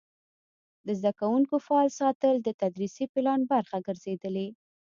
د زده کوونکو فعال ساتل د تدریسي پلان برخه ګرځېدلې.